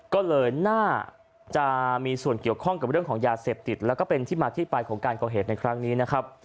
ก็เลยน่าจะมีส่วนเกี่ยวข้องกับเรื่องของยาเสพติดแล้วก็เป็นที่มาที่ไปของการก่อเหตุในครั้งนี้นะครับ